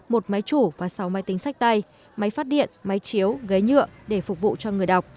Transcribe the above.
một máy chủ và sáu máy tính sách tay máy phát điện máy chiếu ghế nhựa để phục vụ cho người đọc